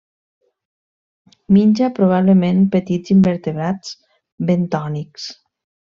Menja probablement petits invertebrats bentònics.